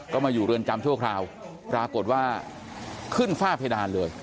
ก็มาอยู่เรือนจำชั่วคราวปรากฏว่าขึ้นฝ้าเพดานเลย